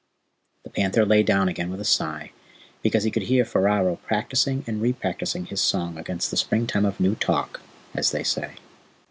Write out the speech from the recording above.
The panther lay down again with a sigh, because he could hear Ferao practising and repractising his song against the Springtime of New Talk, as they say.